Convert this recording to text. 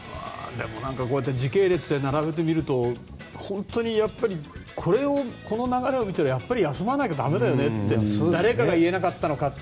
でも時系列で並べてみると本当に、この流れを見ているとやっぱり休まなきゃ駄目だよねって誰かが言えなかったのかって。